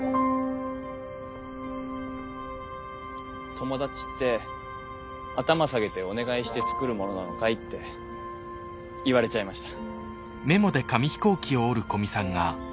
「友達って頭下げてお願いして作るものなのかい？」って言われちゃいました。